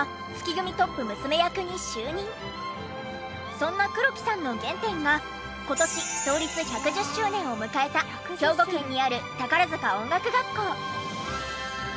そんな黒木さんの原点が今年創立１１０周年を迎えた兵庫県にある宝塚音楽学校。